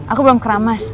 aku belum keramas